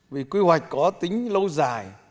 vì quy hoạch có tính lâu dài